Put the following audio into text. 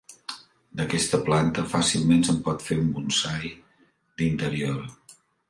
D'aquesta planta, fàcilment se'n pot fer un bonsai d'interior.